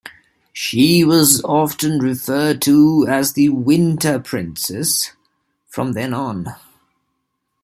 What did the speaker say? She was often referred to as the "Winter Princess" from then on.